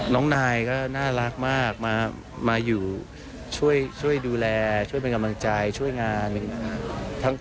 น้องนายก็น่ารักมากมาอยู่ช่วยดูแลช่วยเป็นกำลังใจช่วยงาน